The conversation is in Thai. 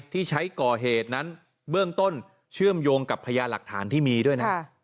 ที่ใช้ก่อเหตุนั้นเบื้องต้นเชื่อมโยงกับพยานหลักฐานที่มีด้วยนะ